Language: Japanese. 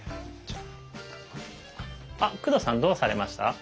あっ工藤さんどうされました？